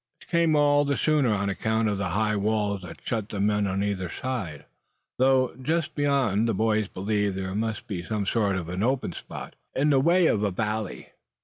This came all the sooner on account of the high walls that shut them in on either side; though just beyond the boys believed there must be some sort of an open spot, in the way of a valley.